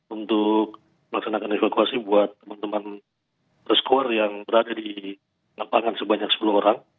untuk melaksanakan evakuasi buat teman teman skor yang berada di lapangan sebanyak sepuluh orang